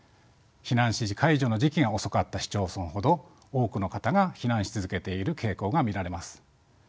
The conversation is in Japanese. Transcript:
避難指示解除の時期が遅かった市町村ほど多くの方が避難し続けている傾向が見られます。